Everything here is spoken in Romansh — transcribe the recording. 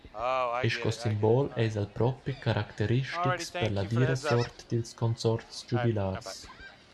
E sco simbol eis el propi caracteristics per la dira sort dils consorts giubilars.